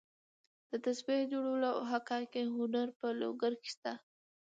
د تسبیح جوړولو او حکاکۍ هنر په لوګر کې شته.